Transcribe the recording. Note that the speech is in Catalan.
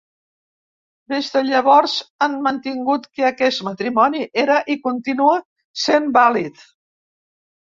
Des de llavors han mantingut que aquest matrimoni era i continua sent vàlid.